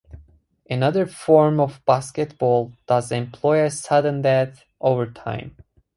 Another form of basketball does employ a sudden-death overtime.